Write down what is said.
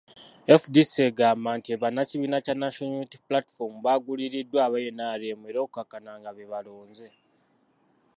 FDC egamba nti bannakibiina kya National Unity Platform baaguliriddwa aba NRM era okukkakkana nga be balonze.